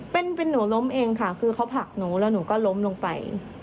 เป็นหนูล้มเองค่ะคือเขาผลักหนูแล้วหนูก็ล้มลงไป